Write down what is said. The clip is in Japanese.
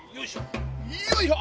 よいしょ！